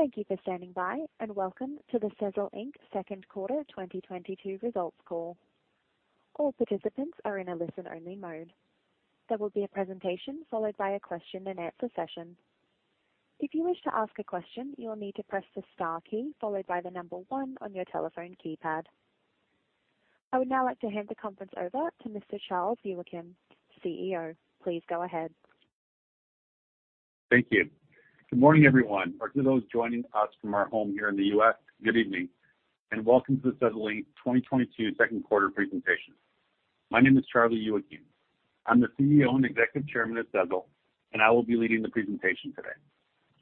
Thank you for standing by, and welcome to the Sezzle Inc. second quarter 2022 results call. All participants are in a listen-only mode. There will be a presentation followed by a question and answer session. If you wish to ask a question, you will need to press the star key followed by the number one on your telephone keypad. I would now like to hand the conference over to Mr. Charlie Youakim, CEO. Please go ahead. Thank you. Good morning, everyone, or to those joining us from our home here in the U.S., good evening, and welcome to the Sezzle Inc. 2022 second quarter presentation. My name is Charlie Youakim. I'm the CEO and Executive Chairman of Sezzle, and I will be leading the presentation today.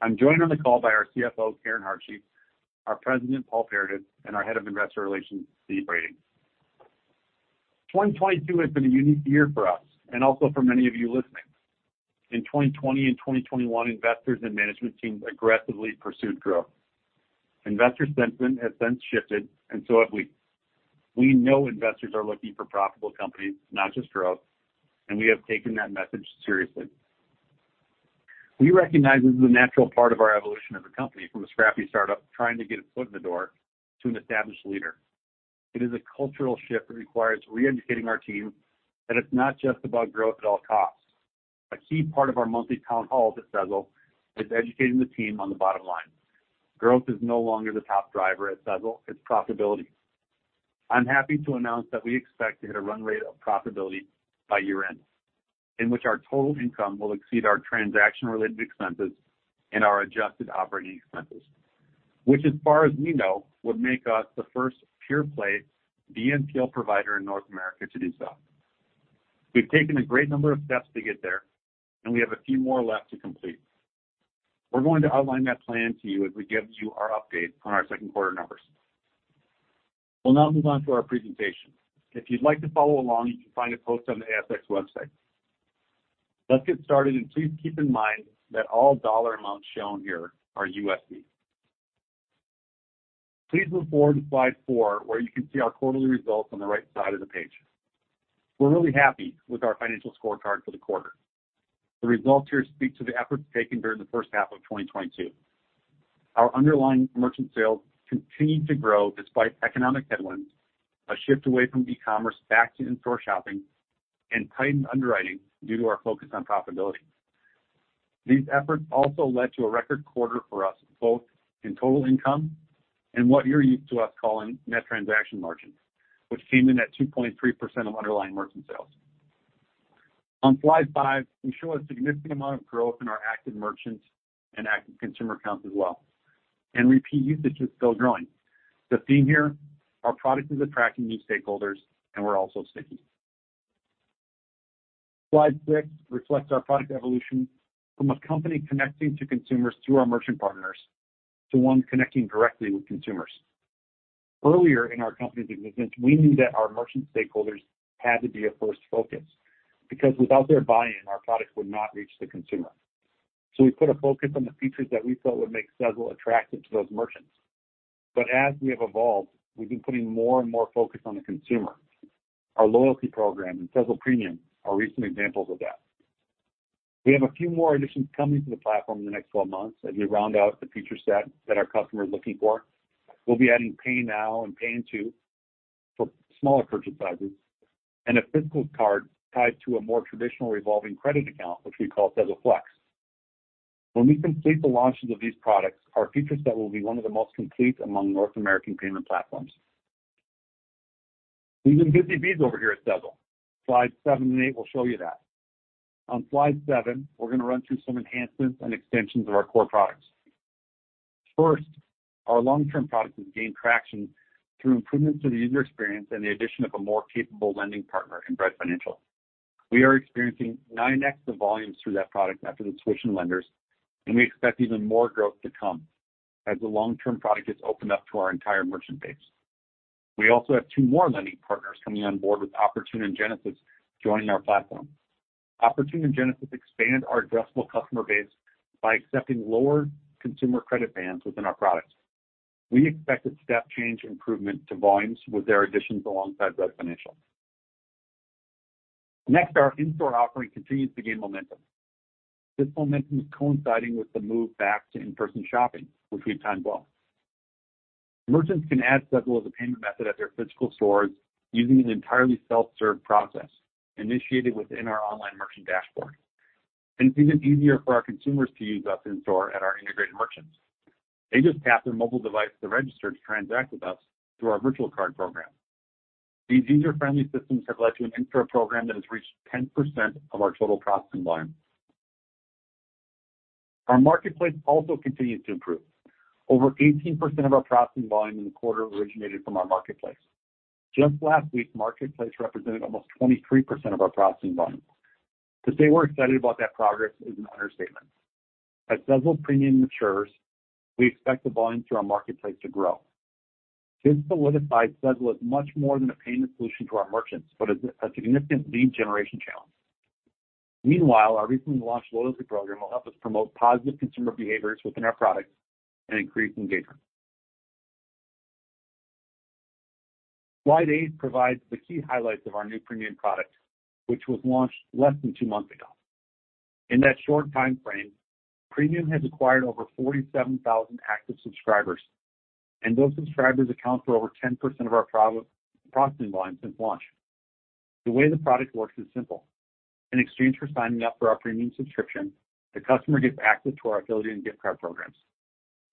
I'm joined on the call by our CFO, Karen Hartje, our President, Paul Paradis, and our Head of Investor Relations, Lee Brading. 2022 has been a unique year for us and also for many of you listening. In 2020 and 2021, investors and management teams aggressively pursued growth. Investor sentiment has since shifted and so have we. We know investors are looking for profitable companies, not just growth, and we have taken that message seriously. We recognize this is a natural part of our evolution as a company from a scrappy start-up trying to get a foot in the door to an established leader. It is a cultural shift that requires re-educating our team that it's not just about growth at all costs. A key part of our monthly town halls at Sezzle is educating the team on the bottom line. Growth is no longer the top driver at Sezzle, it's profitability. I'm happy to announce that we expect to hit a run rate of profitability by year-end, in which our total income will exceed our transaction-related expenses and our adjusted operating expenses, which, as far as we know, would make us the first pure play BNPL provider in North America to do so. We've taken a great number of steps to get there, and we have a few more left to complete. We're going to outline that plan to you as we give you our update on our second quarter numbers. We'll now move on to our presentation. If you'd like to follow along, you can find it posted on the ASX website. Let's get started, and please keep in mind that all dollar amounts shown here are USD. Please move forward to slide four, where you can see our quarterly results on the right side of the page. We're really happy with our financial scorecard for the quarter. The results here speak to the efforts taken during the first half of 2022. Our underlying merchant sales continued to grow despite economic headwinds, a shift away from e-commerce back to in-store shopping and tightened underwriting due to our focus on profitability. These efforts also led to a record quarter for us, both in total income and what you're used to us calling net transaction margins, which came in at 2.3% of underlying merchant sales. On slide 5, we show a significant amount of growth in our active merchants and active consumer counts as well. Repeat usage is still growing. The theme here, our product is attracting new stakeholders and we're also sticky. Slide 6 reflects our product evolution from a company connecting to consumers through our merchant partners to one connecting directly with consumers. Earlier in our company's existence, we knew that our merchant stakeholders had to be a first focus because without their buy-in, our product would not reach the consumer. We put a focus on the features that we felt would make Sezzle attractive to those merchants. As we have evolved, we've been putting more and more focus on the consumer. Our loyalty program and Sezzle Premium are recent examples of that. We have a few more additions coming to the platform in the next 12 months as we round out the feature set that our customers are looking for. We'll be adding pay now and pay in two for smaller purchase sizes and a physical card tied to a more traditional revolving credit account, which we call Sezzle Flex. When we complete the launches of these products, our feature set will be one of the most complete among North American payment platforms. We've been busy bees over here at Sezzle. Slide 7 and 8 will show you that. On slide 7, we're gonna run through some enhancements and extensions of our core products. First, our long-term products have gained traction through improvements to the user experience and the addition of a more capable lending partner in Bread Financial. We are experiencing 9x of volumes through that product after the switch in lenders, and we expect even more growth to come as the long-term product gets opened up to our entire merchant base. We also have two more lending partners coming on board with Oportun and Genesis joining our platform. Oportun and Genesis expand our addressable customer base by accepting lower consumer credit bands within our products. We expect a step change improvement to volumes with their additions alongside Bread Financial. Next, our in-store offering continues to gain momentum. This momentum is coinciding with the move back to in-person shopping, which we timed well. Merchants can add Sezzle as a payment method at their physical stores using an entirely self-serve process initiated within our online merchant dashboard. It's even easier for our consumers to use us in-store at our integrated merchants. They just tap their mobile device to register to transact with us through our virtual card program. These user-friendly systems have led to an in-store program that has reached 10% of our total processing volume. Our marketplace also continues to improve. Over 18% of our processing volume in the quarter originated from our marketplace. Just last week, marketplace represented almost 23% of our processing volume. To say we're excited about that progress is an understatement. As Sezzle Premium matures, we expect the volume through our marketplace to grow. This solidifies Sezzle as much more than a payment solution to our merchants, but as a significant lead generation channel. Meanwhile, our recently launched loyalty program will help us promote positive consumer behaviors within our products and increase engagement. Slide 8 provides the key highlights of our new Premium products, which was launched less than two months ago. In that short time frame, Premium has acquired over 47,000 active subscribers, and those subscribers account for over 10% of our processing volume since launch. The way the product works is simple. In exchange for signing up for our Premium subscription, the customer gets access to our affiliate and gift card programs,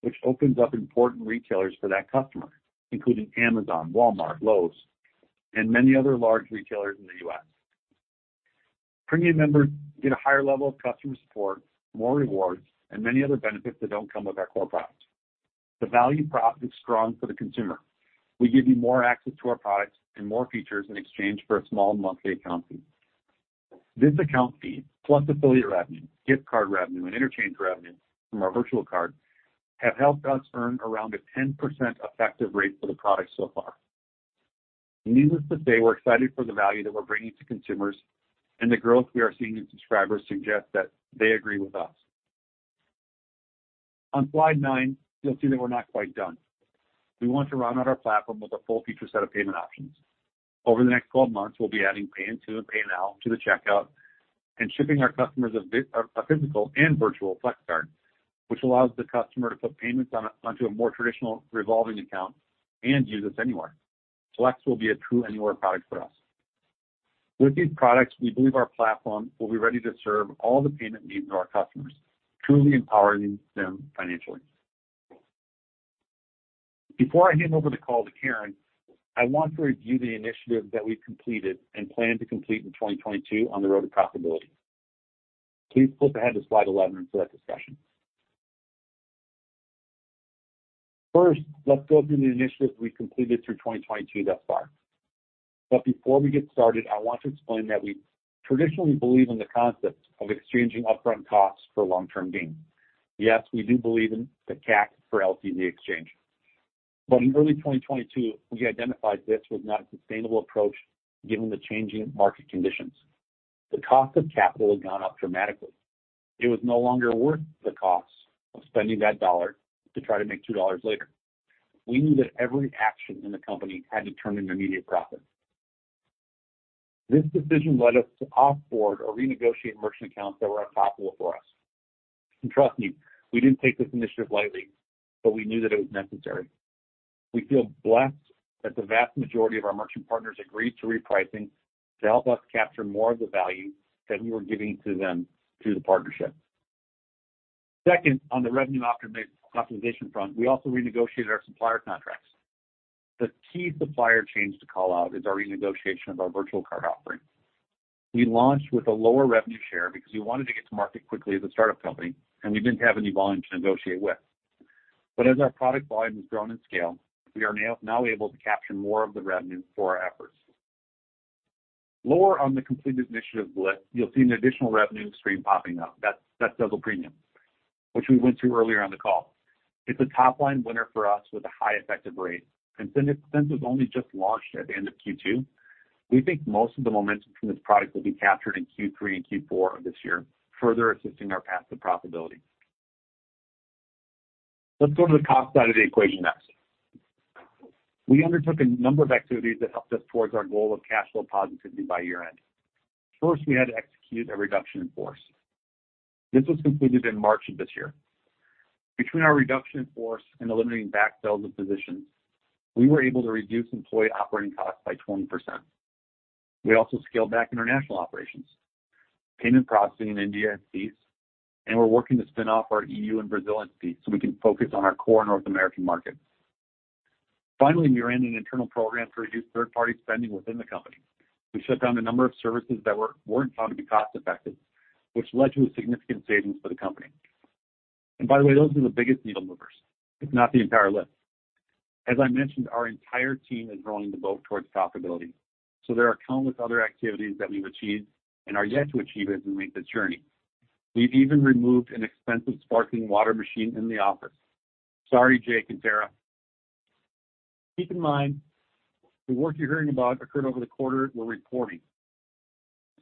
which opens up important retailers for that customer, including Amazon, Walmart, Lowe's, and many other large retailers in the U.S. Premium members get a higher level of customer support, more rewards, and many other benefits that don't come with our core product. The value prop is strong for the consumer. We give you more access to our products and more features in exchange for a small monthly account fee. This account fee, plus affiliate revenue, gift card revenue, and interchange revenue from our virtual card, have helped us earn around a 10% effective rate for the product so far. Needless to say, we're excited for the value that we're bringing to consumers and the growth we are seeing in subscribers suggests that they agree with us. On slide 9, you'll see that we're not quite done. We want to round out our platform with a full feature set of payment options. Over the next 12 months, we'll be adding Pay-in-2 and Pay-in-Full to the checkout and shipping our customers a physical and virtual Flex Card, which allows the customer to put payments onto a more traditional revolving account and use this anywhere. Flex will be a true anywhere product for us. With these products, we believe our platform will be ready to serve all the payment needs of our customers, truly empowering them financially. Before I hand over the call to Karen, I want to review the initiatives that we've completed and plan to complete in 2022 on the road to profitability. Please flip ahead to slide 11 for that discussion. First, let's go through the initiatives we completed through 2022 thus far. Before we get started, I want to explain that we traditionally believe in the concept of exchanging upfront costs for long-term gains. Yes, we do believe in the CAC for LTV exchange. In early 2022, we identified this was not a sustainable approach given the changing market conditions. The cost of capital had gone up dramatically. It was no longer worth the cost of spending that $1 to try to make $2 later. We knew that every action in the company had to turn an immediate profit. This decision led us to off-board or renegotiate merchant accounts that were unprofitable for us. Trust me, we didn't take this initiative lightly, but we knew that it was necessary. We feel blessed that the vast majority of our merchant partners agreed to repricing to help us capture more of the value that we were giving to them through the partnership. Second, on the revenue optimization front, we also renegotiated our supplier contracts. The key supplier change to call out is our renegotiation of our virtual card offering. We launched with a lower revenue share because we wanted to get to market quickly as a startup company, and we didn't have any volume to negotiate with. But as our product volume has grown in scale, we are now able to capture more of the revenue for our efforts. Lower on the completed initiatives list, you'll see an additional revenue stream popping up. That's Sezzle Premium, which we went through earlier on the call. It's a top-line winner for us with a high effective rate. Since it's only just launched at the end of Q2, we think most of the momentum from this product will be captured in Q3 and Q4 of this year, further assisting our path to profitability. Let's go to the cost side of the equation next. We undertook a number of activities that helped us towards our goal of cash flow positivity by year-end. First, we had to execute a reduction in force. This was completed in March of this year. Between our reduction in force and eliminating backfill of positions, we were able to reduce employee operating costs by 20%. We also scaled back international operations, payment processing in India and fees, and we're working to spin off our EU and Brazil entities so we can focus on our core North American markets. Finally, we ran an internal program to reduce third-party spending within the company. We shut down a number of services that weren't found to be cost-effective, which led to a significant savings for the company. By the way, those are the biggest needle movers, if not the entire list. As I mentioned, our entire team is rowing the boat towards profitability. There are countless other activities that we've achieved and are yet to achieve as we make the journey. We've even removed an expensive sparkling water machine in the office. Sorry, Jake and Tara. Keep in mind, the work you're hearing about occurred over the quarter we're reporting.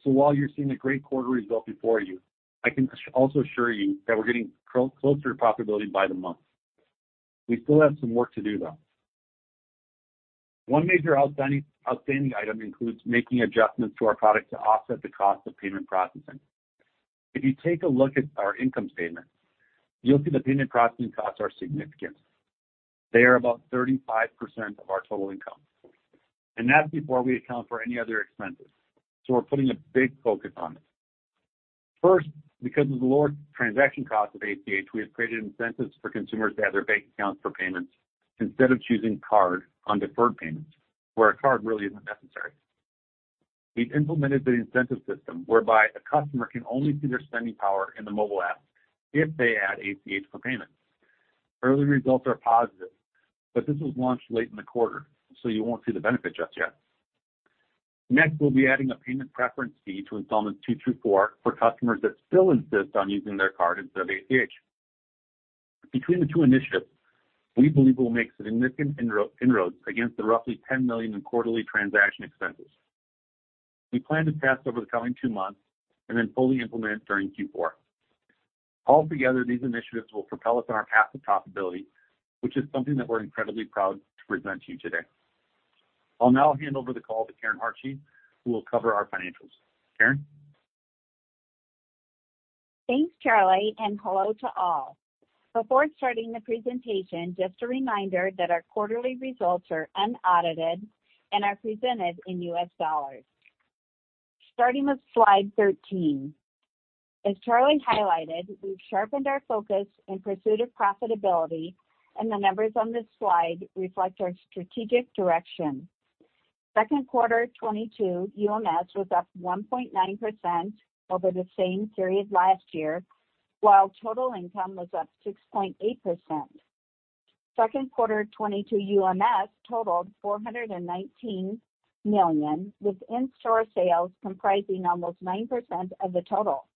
While you're seeing a great quarter result before you, I can also assure you that we're getting closer to profitability by the month. We still have some work to do, though. One major outstanding item includes making adjustments to our product to offset the cost of payment processing. If you take a look at our income statement, you'll see the payment processing costs are significant. They are about 35% of our total income, and that's before we account for any other expenses. We're putting a big focus on it. First, because of the lower transaction cost of ACH, we have created incentives for consumers to add their bank accounts for payments instead of choosing card on deferred payments, where a card really isn't necessary. We've implemented the incentive system whereby a customer can only see their spending power in the mobile app if they add ACH for payment. Early results are positive, but this was launched late in the quarter, so you won't see the benefit just yet. Next, we'll be adding a payment preference fee to installments two through four for customers that still insist on using their card instead of ACH. Between the two initiatives, we believe we'll make significant inroads against the roughly $10 million in quarterly transaction expenses. We plan to test over the coming two months and then fully implement during Q4. Altogether, these initiatives will propel us on our path to profitability, which is something that we're incredibly proud to present to you today. I'll now hand over the call to Karen Hartje, who will cover our financials. Karen? Thanks, Charlie, and hello to all. Before starting the presentation, just a reminder that our quarterly results are unaudited and are presented in U.S. dollars. Starting with slide 13. As Charlie highlighted, we've sharpened our focus in pursuit of profitability, and the numbers on this slide reflect our strategic direction. Second quarter 2022 UMS was up 1.9% over the same period last year, while total income was up 6.8%. Second quarter 2022 UMS totaled $419 million, with in-store sales comprising almost 9% of the total.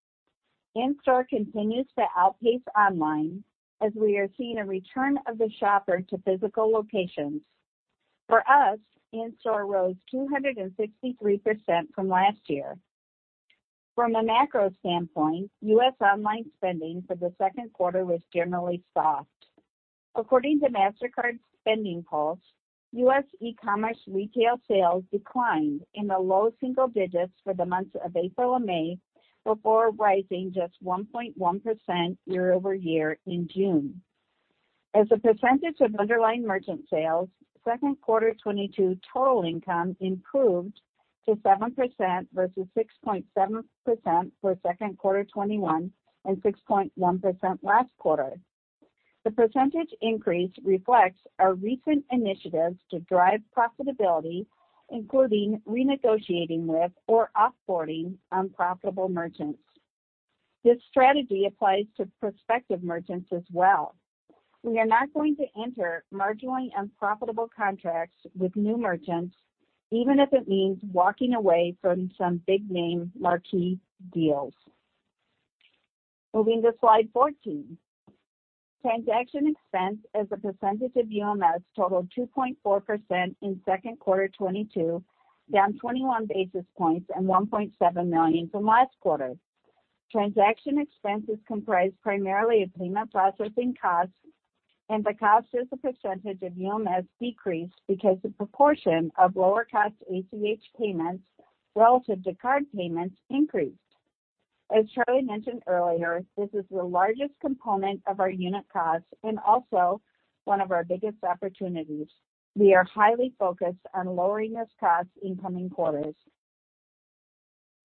In-store continues to outpace online as we are seeing a return of the shopper to physical locations. For us, in-store rose 263% from last year. From a macro standpoint, U.S. online spending for the second quarter was generally soft. According to Mastercard's SpendingPulse, U.S. e-commerce retail sales declined in the low single digits for the months of April and May before rising just 1.1% year-over-year in June. As a percentage of underlying merchant sales, second quarter 2022 total income improved to 7% versus 6.7% for second quarter 2021 and 6.1% last quarter. The percentage increase reflects our recent initiatives to drive profitability, including renegotiating with or off-boarding unprofitable merchants. This strategy applies to prospective merchants as well. We are not going to enter marginally unprofitable contracts with new merchants, even if it means walking away from some big-name marquee deals. Moving to slide 14. Transaction expense as a percentage of UMS totaled 2.4% in second quarter 2022, down 21 basis points and $1.7 million from last quarter. Transaction expenses comprised primarily of payment processing costs and the cost as a percentage of UMS decreased because the proportion of lower cost ACH payments relative to card payments increased. As Charlie mentioned earlier, this is the largest component of our unit costs and also one of our biggest opportunities. We are highly focused on lowering this cost in coming quarters.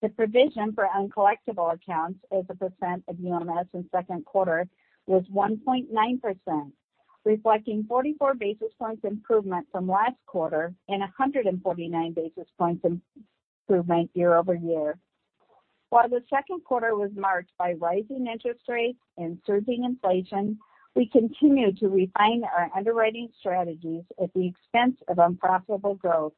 The provision for uncollectible accounts as a percent of UMS in second quarter was 1.9%, reflecting 44 basis points improvement from last quarter and 149 basis points improvement year-over-year. While the second quarter was marked by rising interest rates and surging inflation, we continue to refine our underwriting strategies at the expense of unprofitable growth.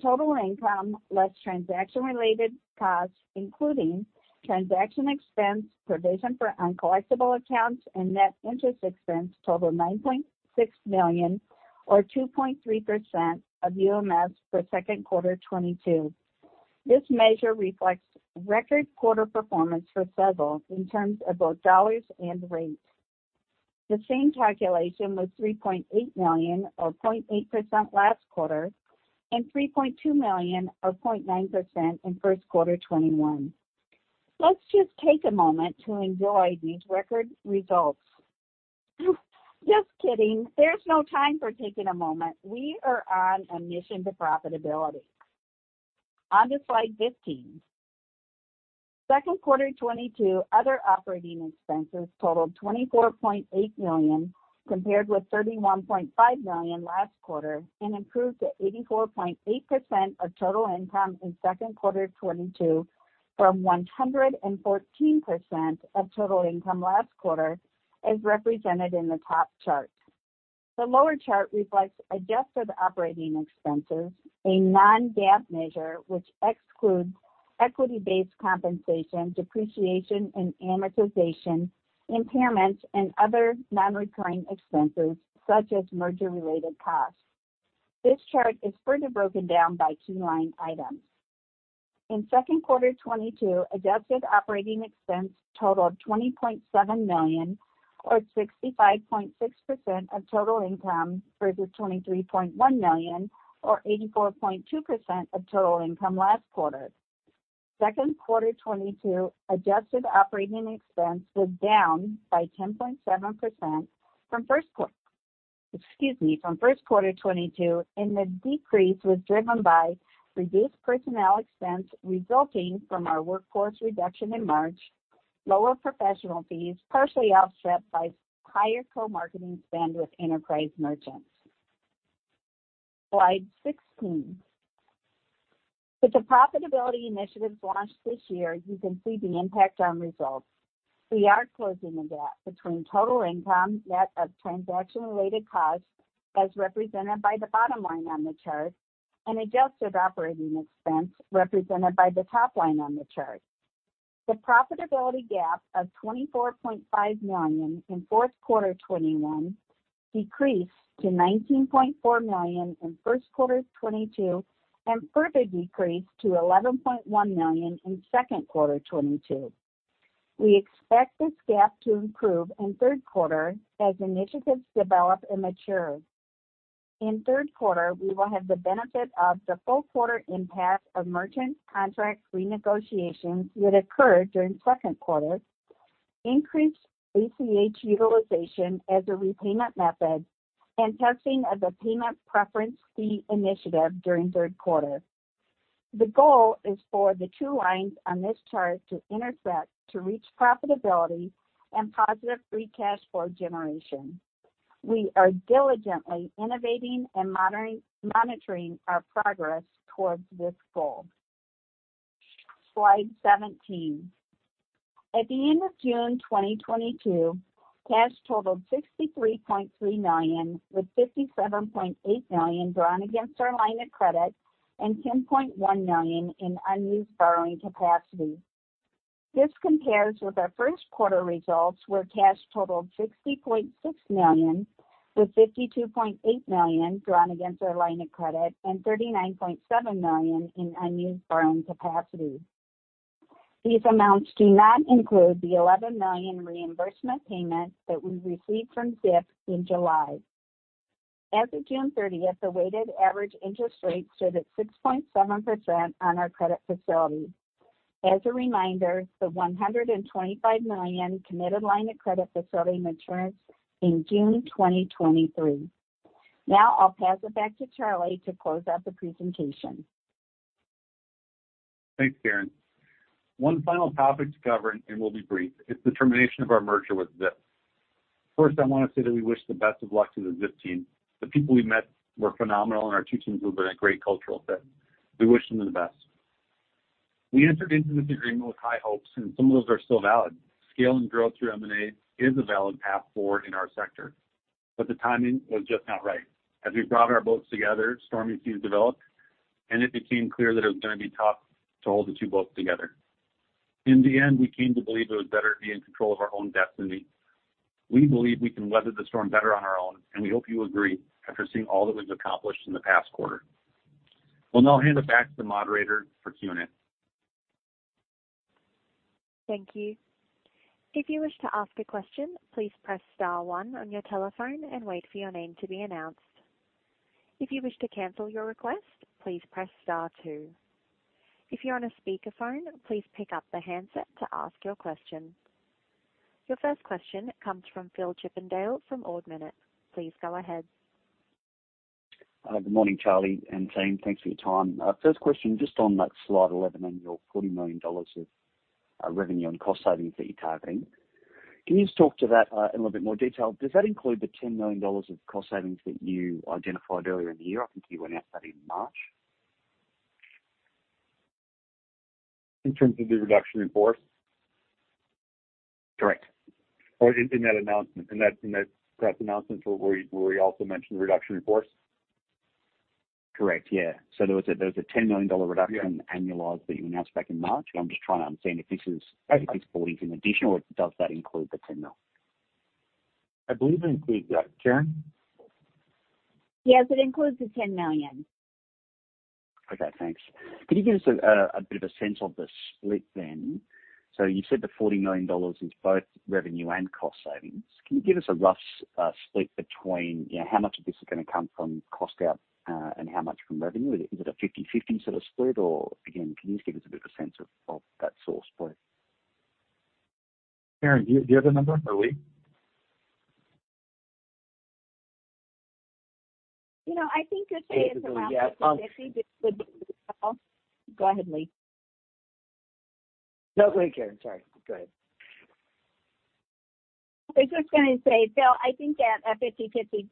Total income less transaction-related costs, including transaction expense, provision for uncollectible accounts, and net interest expense totaled $9.6 million or 2.3% of UMS for second quarter 2022. This measure reflects record quarter performance for Sezzle in terms of both dollars and rates. The same calculation was $3.8 million or 0.8% last quarter and $3.2 million or 0.9% in first quarter 2021. Let's just take a moment to enjoy these record results. Just kidding. There's no time for taking a moment. We are on a mission to profitability. On to slide 15. Second quarter 2022 other operating expenses totaled $24.8 million, compared with $31.5 million last quarter and improved to 84.8% of total income in second quarter 2022 from 114% of total income last quarter, as represented in the top chart. The lower chart reflects adjusted operating expenses, a non-GAAP measure which excludes equity-based compensation, depreciation and amortization, impairments, and other non-recurring expenses such as merger-related costs. This chart is further broken down by key line items. In second quarter 2022, adjusted operating expense totaled $20.7 million or 65.6% of total income versus $23.1 million or 84.2% of total income last quarter. Second quarter 2022 adjusted operating expense was down by 10.7% from first quarter 2022, and the decrease was driven by reduced personnel expense resulting from our workforce reduction in March, lower professional fees, partially offset by higher co-marketing spend with enterprise merchants. Slide 16. With the profitability initiatives launched this year, you can see the impact on results. We are closing the gap between total income net of transaction-related costs, as represented by the bottom line on the chart, and adjusted operating expense, represented by the top line on the chart. The profitability gap of $24.5 million in fourth quarter 2021 decreased to $19.4 million in first quarter 2022 and further decreased to $11.1 million in second quarter 2022. We expect this gap to improve in third quarter as initiatives develop and mature. In third quarter, we will have the benefit of the full quarter impact of merchant contract renegotiations that occurred during second quarter, increased ACH utilization as a repayment method, and testing of the payment preference fee initiative during third quarter. The goal is for the two lines on this chart to intersect, to reach profitability and positive free cash flow generation. We are diligently innovating and monitoring our progress towards this goal. Slide 17. At the end of June 2022, cash totaled $63.3 million, with $57.8 million drawn against our line of credit and $10.1 million in unused borrowing capacity. This compares with our first quarter results, where cash totaled $60.6 million, with $52.8 million drawn against our line of credit and $39.7 million in unused borrowing capacity. These amounts do not include the $11 million reimbursement payment that we received from Zip in July. As of June 30, the weighted average interest rate stood at 6.7% on our credit facility. As a reminder, the $125 million committed line of credit facility matures in June 2023. Now I'll pass it back to Charlie to close out the presentation. Thanks, Karen. One final topic to cover, and we'll be brief. It's the termination of our merger with Zip. First, I want to say that we wish the best of luck to the Zip team. The people we met were phenomenal, and our two teams would have been a great cultural fit. We wish them the best. We entered into this agreement with high hopes, and some of those are still valid. Scale and growth through M&A is a valid path forward in our sector, but the timing was just not right. As we brought our boats together, stormy seas developed, and it became clear that it was going to be tough to hold the two boats together. In the end, we came to believe it was better to be in control of our own destiny. We believe we can weather the storm better on our own, and we hope you agree after seeing all that was accomplished in the past quarter. We'll now hand it back to the moderator for Q&A. Thank you. If you wish to ask a question, please press star one on your telephone and wait for your name to be announced. If you wish to cancel your request, please press star two. If you're on a speakerphone, please pick up the handset to ask your question. Your first question comes from Phillip Chippindale from Ord Minnett. Please go ahead. Good morning, Charlie and team. Thanks for your time. First question, just on that slide 11 and your $40 million of revenue and cost savings that you're targeting. Can you just talk to that in a little bit more detail? Does that include the $10 million of cost savings that you identified earlier in the year? I think you put out that in March. In terms of the reduction in force? Correct. In that press announcement where we also mentioned the reduction in force? Correct. Yeah. There was a $10 million dollar- Yeah. -reduction annualized that you announced back in March. I'm just trying to understand if this is- Right. If this $40 million is in addition or does that include the $10 million? I believe it includes that. Karen? Yes, it includes the $10 million. Okay, thanks. Could you give us a bit of a sense of the split then? So you said the $40 million is both revenue and cost savings. Can you give us a rough split between, you know, how much of this is gonna come from cost out and how much from revenue? Is it a 50-50 sort of split? Or again, can you just give us a bit of a sense of that source split? Karen, do you have the number or Lee? You know, go ahead, Lee. No, go ahead, Karen. Sorry, go ahead. I was just gonna say, Phil, I think that a 50/50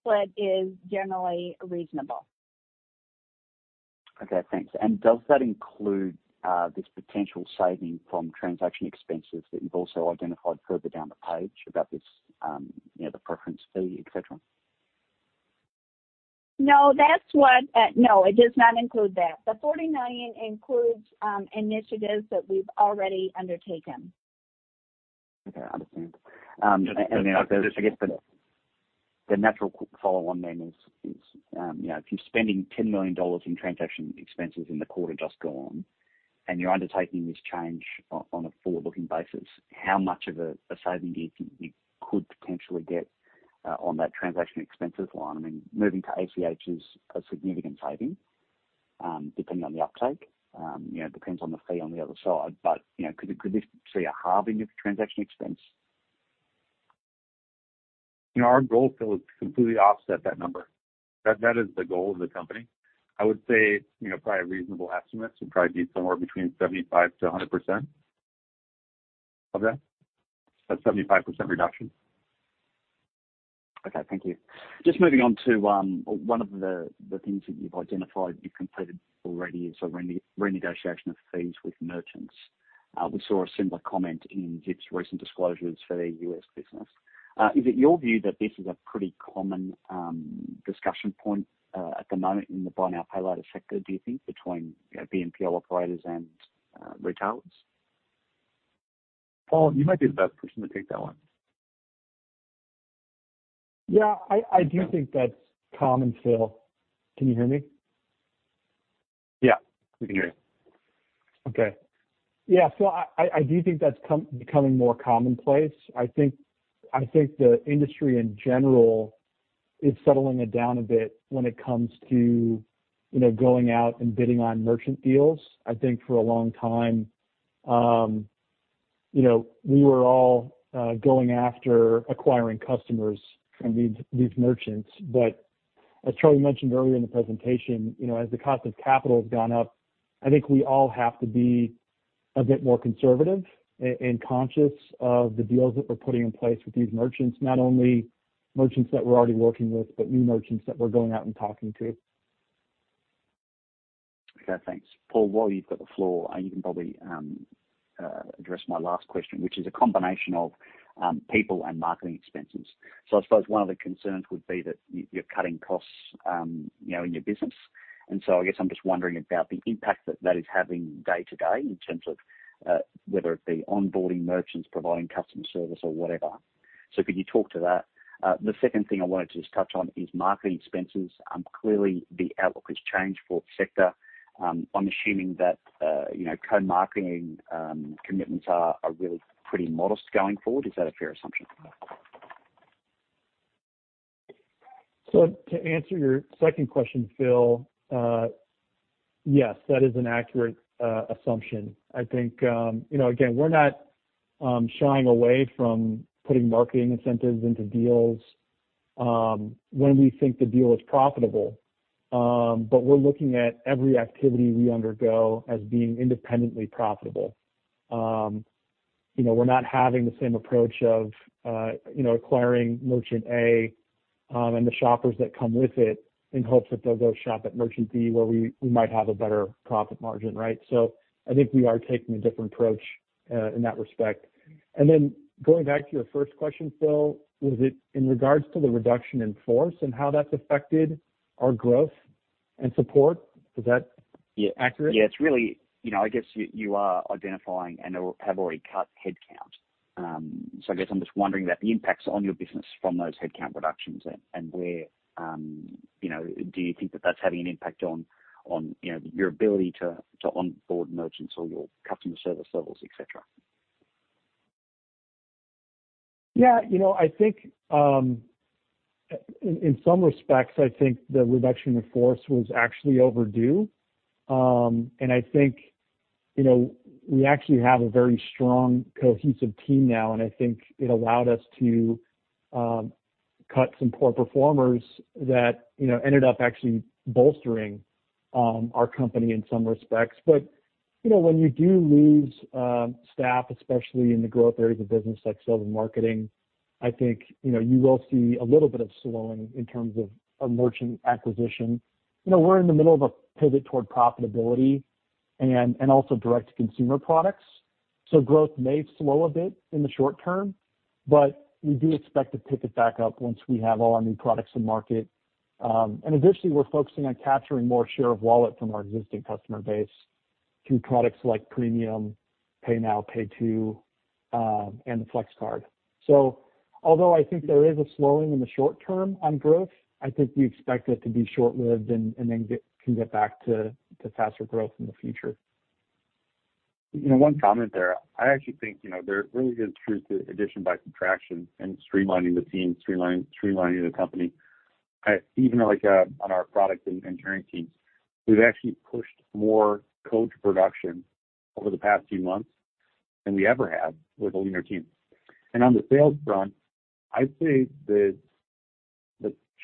split is generally reasonable. Okay, thanks. Does that include this potential saving from transaction expenses that you've also identified further down the page about this, you know, the preference fee, et cetera? No, it does not include that. The $40 million includes initiatives that we've already undertaken. Okay. I understand. The natural follow-on then is, you know, if you're spending $10 million in transaction expenses in the quarter just gone, and you're undertaking this change on a forward-looking basis, how much of a saving do you think you could potentially get on that transaction expenses line? I mean, moving to ACH is a significant saving, depending on the uptake. You know, it depends on the fee on the other side. But you know, could this see a halving of transaction expense? You know, our goal, Phil, is to completely offset that number. That is the goal of the company. I would say, you know, probably a reasonable estimate would probably be somewhere between 75%-100% of that. A 75% reduction. Okay. Thank you. Just moving on to one of the things that you've identified you've completed already is a renegotiation of fees with merchants. We saw a similar comment in Zip's recent disclosures for their U.S. business. Is it your view that this is a pretty common discussion point at the moment in the buy now, pay later sector, do you think, between, you know, BNPL operators and retailers? Paul, you might be the best person to take that one. Yeah. I do think that's common, Phil. Can you hear me? Yeah, we can hear you. Okay. Yeah. I do think that's becoming more commonplace. I think the industry in general is settling it down a bit when it comes to, you know, going out and bidding on merchant deals. I think for a long time, you know, we were all going after acquiring customers from these merchants. As Charlie mentioned earlier in the presentation, you know, as the cost of capital has gone up, I think we all have to be a bit more conservative and conscious of the deals that we're putting in place with these merchants, not only merchants that we're already working with, but new merchants that we're going out and talking to. Okay. Thanks. Paul, while you've got the floor, you can probably address my last question, which is a combination of people and marketing expenses. I suppose one of the concerns would be that you're cutting costs, you know, in your business. I guess I'm just wondering about the impact that that is having day-to-day in terms of whether it be onboarding merchants, providing customer service or whatever. Could you talk to that? The second thing I wanted to just touch on is marketing expenses. Clearly the outlook has changed for the sector. I'm assuming that you know, co-marketing commitments are really pretty modest going forward. Is that a fair assumption? To answer your second question, Phil, yes, that is an accurate assumption. I think, you know, again, we're not shying away from putting marketing incentives into deals, when we think the deal is profitable. We're looking at every activity we undergo as being independently profitable. You know, we're not having the same approach of, you know, acquiring merchant A, and the shoppers that come with it in hopes that they'll go shop at merchant B where we might have a better profit margin, right? I think we are taking a different approach, in that respect. Going back to your first question, Phil, was it in regards to the reduction in force and how that's affected our growth and support? Is that accurate? Yeah. It's really, you know, I guess you are identifying and/or have already cut headcount. So I guess I'm just wondering about the impacts on your business from those headcount reductions and where, you know, do you think that that's having an impact on your ability to onboard merchants or your customer service levels, et cetera? Yeah. You know, I think, in some respects, I think the reduction of force was actually overdue. I think, you know, we actually have a very strong, cohesive team now, and I think it allowed us to cut some poor performers that, you know, ended up actually bolstering our company in some respects. You know, when you do lose staff, especially in the growth areas of business like sales and marketing, I think, you know, you will see a little bit of slowing in terms of of merchant acquisition. You know, we're in the middle of a pivot toward profitability and also direct-to-consumer products. Growth may slow a bit in the short term, but we do expect to pick it back up once we have all our new products to market. Additionally, we're focusing on capturing more share of wallet from our existing customer base through products like Premium, Pay-in-4, Pay-in-2, and the Flex Card. Although I think there is a slowing in the short term on growth, I think we expect it to be short-lived and then can get back to faster growth in the future. You know, one comment there. I actually think, you know, there really is truth to addition by subtraction and streamlining the team, streamlining the company. Even like, on our product and engineering teams, we've actually pushed more code to production over the past few months than we ever have with a leaner team. On the sales front, I'd say the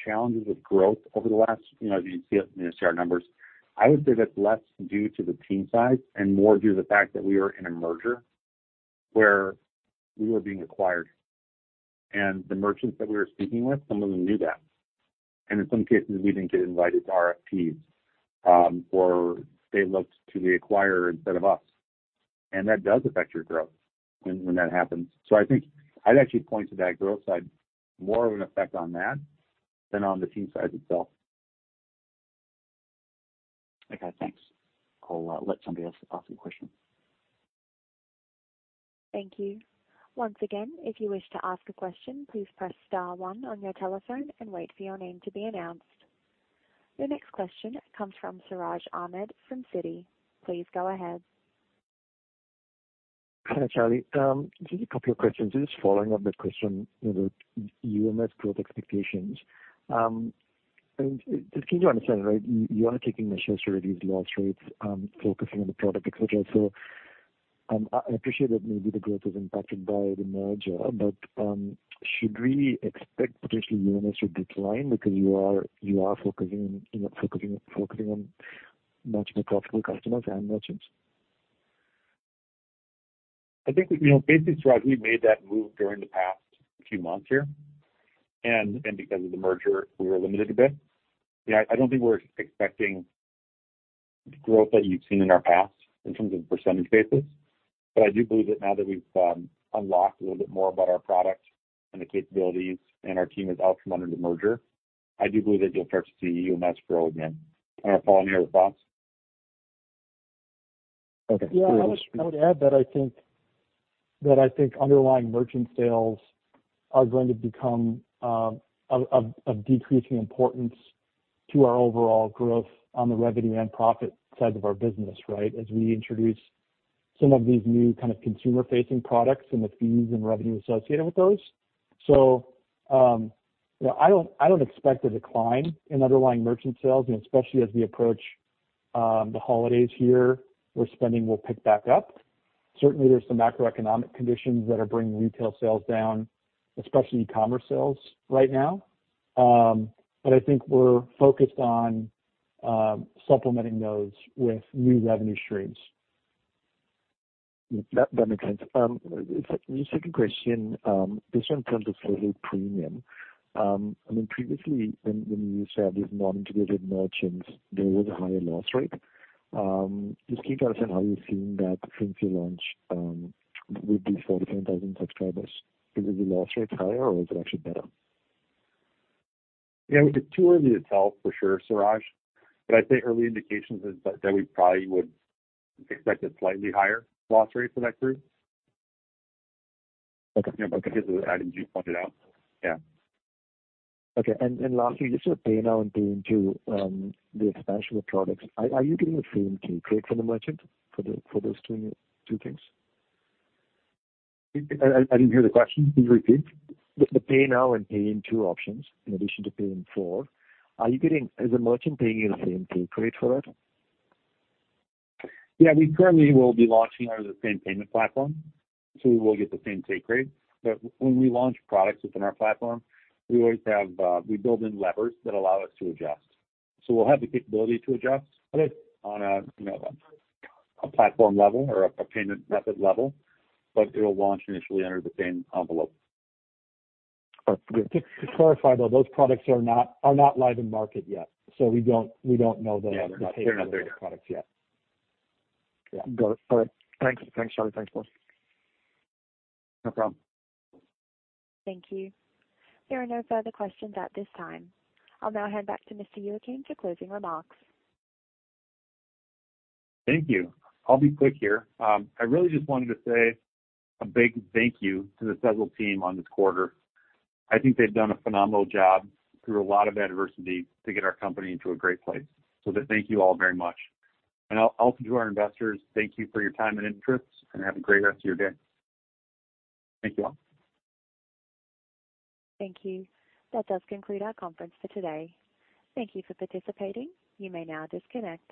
challenges with growth over the last, you know, as you can see it in the CR numbers, I would say that's less due to the team size and more due to the fact that we were in a merger where we were being acquired. The merchants that we were speaking with, some of them knew that. In some cases, we didn't get invited to RFPs, or they looked to the acquirer instead of us. That does affect your growth when that happens. I think I'd actually point to that growth side more of an effect on that than on the team size itself. Okay. Thanks. I'll let somebody else ask a question. Thank you. Once again, if you wish to ask a question, please press star one on your telephone and wait for your name to be announced. The next question comes from Siraj Ahmed from Citi. Please go ahead. Hi, Charlie. Just a couple of questions. Just following up that question about UMS growth expectations. Just so you understand, right, you are taking measures to reduce loss rates, focusing on the product, et cetera. I appreciate that maybe the growth was impacted by the merger. Should we expect potentially UMS to decline because you are focusing, you know, on much more profitable customers and merchants? I think, you know, basically, Siraj, we made that move during the past few months here. Because of the merger, we were limited a bit. Yeah. I don't think we're expecting growth that you've seen in our past in terms of percentage basis. I do believe that now that we've unlocked a little bit more about our product and the capabilities, and our team is out from under the merger, I do believe that you'll start to see UMS grow again. I'll follow your response. Okay. Yeah. I would add that I think underlying merchant sales are going to become of decreasing importance to our overall growth on the revenue and profit side of our business, right? As we introduce some of these new kind of consumer-facing products and the fees and revenue associated with those. You know, I don't expect a decline in underlying merchant sales, and especially as we approach the holidays here, where spending will pick back up. Certainly, there's some macroeconomic conditions that are bringing retail sales down, especially e-commerce sales right now. I think we're focused on supplementing those with new revenue streams. That makes sense. Second question, this one in terms of Sezzle Premium. I mean, previously when you used to have these non-integrated merchants, there was a higher loss rate. Just can you tell us on how you're seeing that since you launched with these 47,000 subscribers? Is it the loss rate higher, or is it actually better? Yeah. It's too early to tell for sure, Siraj. I'd say early indications is that we probably would expect a slightly higher loss rate for that group. Okay. You know, because of the items you pointed out. Yeah. Lastly, just on Pay-in-Full and Pay-in-2, the expansion of products, are you getting the same take rate from the merchant for those two new things? I didn't hear the question. Can you repeat? The Pay-in-Full and Pay-in-2 options, in addition to Pay-in-4. Is the merchant paying you the same take rate for it? Yeah. We currently will be launching under the same payment platform. We will get the same take rate. But when we launch products within our platform, we build in levers that allow us to adjust. We'll have the capability to adjust. Okay. --on a, you know, a platform level or a payment method level, but it'll launch initially under the same envelope. Perfect. To clarify, though, those products are not live in market yet, so we don't know the- Yeah. They're not there yet. Take rate on those products yet. Yeah. Got it. All right. Thanks. Thanks, Charlie. Thanks, Boris. No problem. Thank you. There are no further questions at this time. I'll now hand back to Mr. Youakim to closing remarks. Thank you. I'll be quick here. I really just wanted to say a big thank you to the Sezzle team on this quarter. I think they've done a phenomenal job through a lot of adversity to get our company into a great place. Thank you all very much. Also to our investors, thank you for your time and interest, and have a great rest of your day. Thank you all. Thank you. That does conclude our conference for today. Thank you for participating. You may now disconnect.